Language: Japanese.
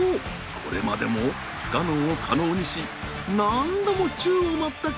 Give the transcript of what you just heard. これまでも不可能を可能にし何度も宙を舞った工藤公康。